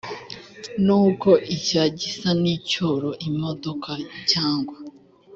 nubwo icya gisa n icyoroimodoka cyangwa